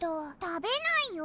食べないよ！